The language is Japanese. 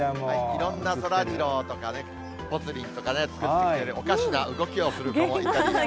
いろんなそらジローとかね、ぽつリンとかね、作ってきて、おかしな動きをする子もいたり。